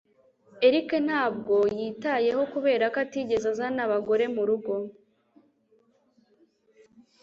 Eric ntabwo yitayeho, kubera ko atigeze azana abagore murugo.